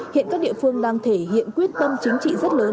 hiện các địa phương đang thể hiện quyết tâm chính trị rất lớn